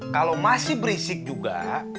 kalau masih berisik juga